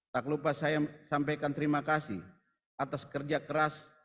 tak lupa saya sampaikan terima kasih atas kerja keras